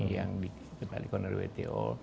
yang dikenali oleh wto